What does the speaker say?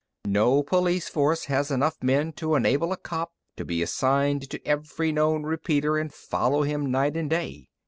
No police force has enough men to enable a cop to be assigned to every known repeater and follow him night and day.